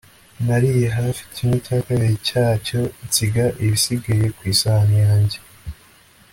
nariye hafi kimwe cya kabiri cyacyo nsiga ibisigaye ku isahani yanjye